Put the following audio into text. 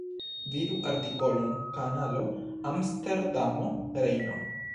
Vidu artikolon Kanalo Amsterdamo–Rejno.